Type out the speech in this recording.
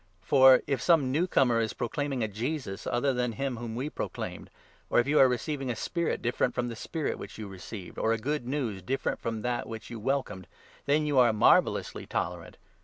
For, if some new comer is proclaiming a Jesus other than him 4 whom we proclaimed, or if you are receiving a Spirit different from the Spirit which you received, or a Good News different from that which you welcomed, then you are marvellously tolerant